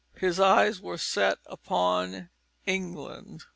His eyes were set upon England.